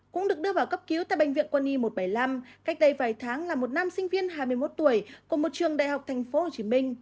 cũng được đưa vào cấp cứu tại bệnh viện quân y một trăm bảy mươi năm cách đây vài tháng là một nam sinh viên hai mươi một tuổi của một trường đại học tp hcm